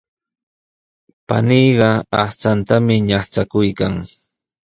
Paniiqa aqchantami ñaqchakuykan.